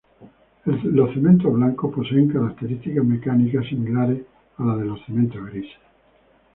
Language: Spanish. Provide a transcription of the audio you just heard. Los cementos blancos poseen características mecánicas similares a las de los cementos grises.